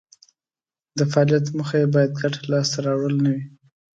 د فعالیت موخه یې باید ګټه لاس ته راوړل نه وي.